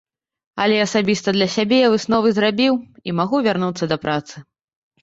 Але асабіста для сябе я высновы зрабіў, і магу вярнуцца да працы.